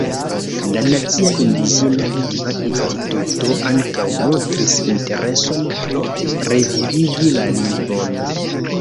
La Nacia Indiĝena Lingva Instituto ankaŭ montris intereson pri revivigi la lingvon.